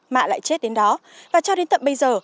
mạ lại chết đến đó và cho đến tận bây giờ